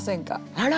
あら！